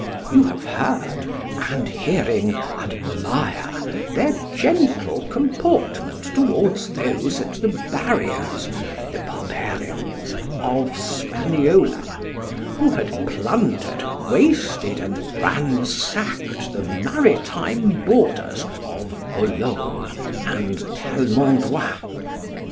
You have heard, and hearing admire, their gentle comportment towards those at the barriers (the barbarians) of Spaniola, who had plundered, wasted, and ransacked the maritime borders of Olone and Thalmondois.